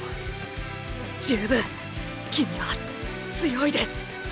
十分キミは強いです。